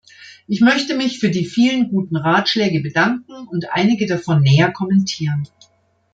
Ich möchte mich für die vielen guten Ratschläge bedanken und einige davon näher kommentieren.